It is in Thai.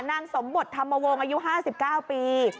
นางสมบทธรรมวงศ์อายุ๕๙ปี